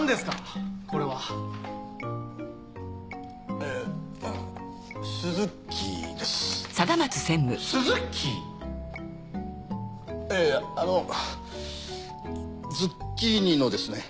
えぇあのズッキーニのですね